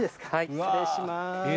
失礼します。